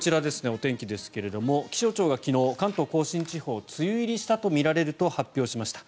お天気ですが気象庁が昨日、関東・甲信地方梅雨入りしたとみられると発表しました。